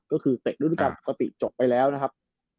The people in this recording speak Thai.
ก็คือเตะรุ่นการปกติจบไปแล้วนะครับ